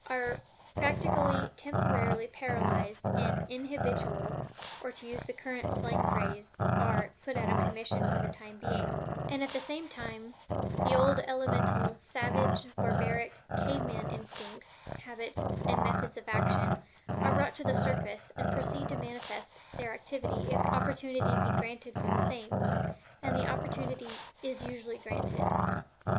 are practically temporarily paralyzed in inhibitual or to use the current slang phrase, are "put out of commission" for the time being; and, at the same time, the old elemental, savage, barbaric, "cave man" instincts, habits, and methods of action, are brought to the surface, and proceed to manifest their activity if opportunity be granted for the same and the opportunity is usually granted.